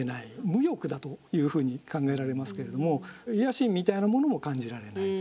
無欲だというふうに考えられますけれども野心みたいなものも感じられない。